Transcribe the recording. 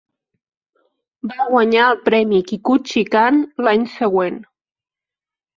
Va guanyar el premi Kikuchi Kan l'any següent.